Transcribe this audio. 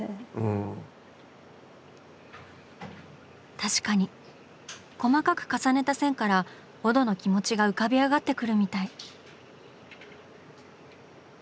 確かに細かく重ねた線からオドの気持ちが浮かび上がってくるみたい。